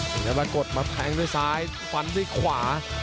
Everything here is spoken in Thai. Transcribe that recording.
ถึงจะมากดมัดแพงด้วยซ้ายฟันด้วยขวา